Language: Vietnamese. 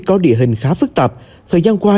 có địa hình khá phức tạp thời gian qua